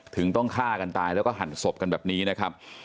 ถึงต้องฆ่ากันตายแล้วก็หั่นศพกันแบบนี้นะครับ